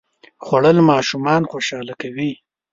خوړل ماشومان خوشاله کوي